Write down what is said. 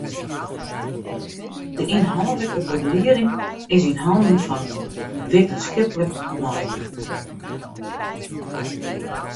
De ynhâldlike begelieding is yn hannen fan in wittenskiplik meiwurker.